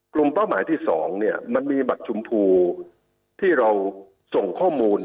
กลุ่มเป้าหมายที่๒มันมีบัตรชุมภูที่เราส่งข้อมูล